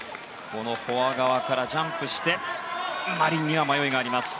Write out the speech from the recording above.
フォア側からジャンプしてマリンには迷いがありました。